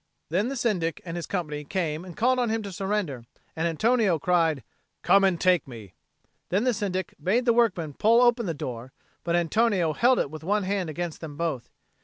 Then the Syndic and his company came and called on him to surrender. And Antonio cried, "Come and take me." Then the Syndic bade the workmen pull open the door; but Antonio held it with one hand against them both.